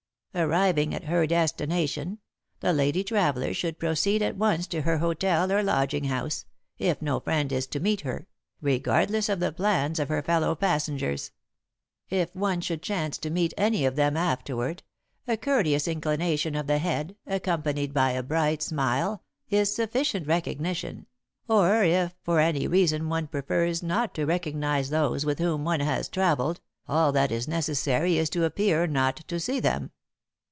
"'Arriving at her destination, the lady traveller should proceed at once to her hotel or lodging house, if no friend is to meet her, regardless of the plans of her fellow passengers. If one should chance to meet any of them afterward, a courteous inclination of the head, accompanied by a bright smile, is sufficient recognition, or, if for any reason one prefers not to recognise those with whom one has travelled, all that is necessary is to appear not to see them.